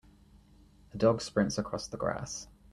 a dog sprints across the grass.